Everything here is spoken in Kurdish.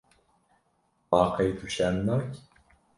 Ma qey tu şerm nakî?